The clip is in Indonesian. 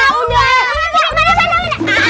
buat dimarahin kau ya